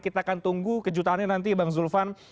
kita akan tunggu kejutannya nanti bang zulfan